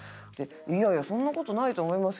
「いやいやそんな事ないと思いますけどね」